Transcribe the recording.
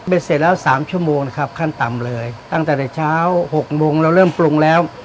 เสร็จแล้วสามชั่วโมงนะครับขั้นต่ำเลยตั้งแต่เช้าหกโมงเราเริ่มปรุงแล้ว